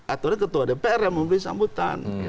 aturannya ketua dpr yang membeli sambutan